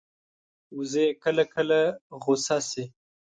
وزې کله ناکله غوسه شي